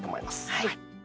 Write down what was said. はい。